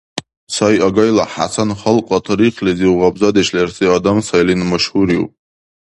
Сай Агайла ХӀясан халкьла тарихлизив гъабзадеш лерси адам сайлин машгьуриуб.